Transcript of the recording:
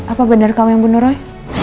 apa benar kamu yang bunuh roy